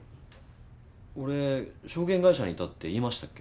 俺証券会社にいたって言いましたっけ？